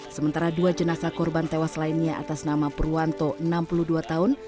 sementara dua jenazah korban tewas lainnya atas nama purwanto enam puluh dua tahun